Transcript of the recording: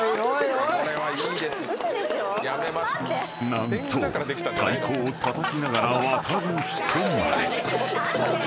［何と太鼓をたたきながら渡る人まで］